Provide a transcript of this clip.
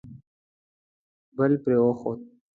بل پرې وخوت.